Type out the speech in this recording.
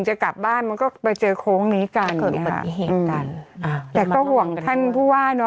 ไปกลับบ้านมันก็ไปเจอโค้งนี้กันแต่ก็ห่วงท่านผู้ว่านเนอะ